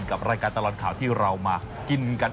กับรายการตลอดข่าวที่เรามากินกัน